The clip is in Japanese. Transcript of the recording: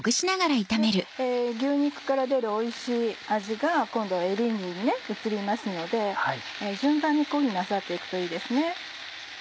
牛肉から出るおいしい味が今度はエリンギに移りますので順番にこういうふうになさって行くといいですね。